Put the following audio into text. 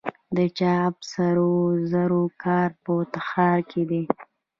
د چاه اب د سرو زرو کان په تخار کې دی